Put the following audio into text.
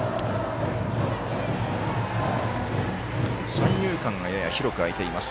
三遊間が、やや広く空いています。